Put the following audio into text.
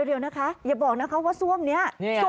เดี๋ยวนะคะอย่าบอกนะคะว่าซ่วมนี้